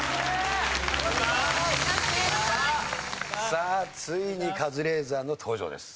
さあついにカズレーザーの登場です。